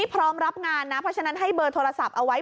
พร้อมรับงานนะเพราะฉะนั้นให้เบอร์โทรศัพท์เอาไว้